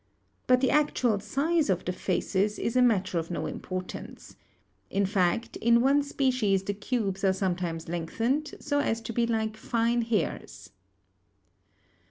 But the actual size of the faces is a matter of no importance. In fact, in one species the cubes are sometimes lengthened so as to be like fine hairs.